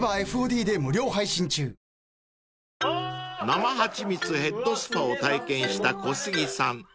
［生はちみつヘッドスパを体験した小杉さん］